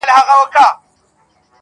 په دامونو ښکار کوي د هوښیارانو٫